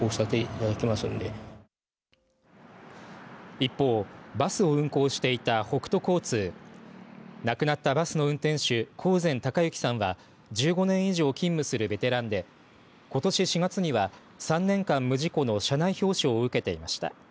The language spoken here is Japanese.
一方、バスを運行していた北都交通は亡くなったバスの運転手興膳孝幸さんは１５年以上勤務するベテランでことし４月には３年間無事故の社内表彰を受けていました。